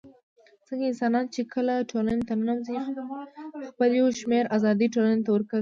ځکه انسانان چي کله ټولني ته ننوزي خپل يو شمېر آزادۍ ټولني ته ورکوي